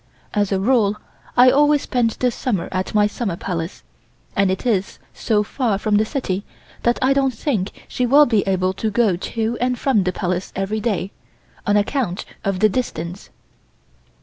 As a rule I always spend the summer at my Summer Palace, and it is so far from the city that I don't think she will be able to go to and from the Palace every day, on account of the distance.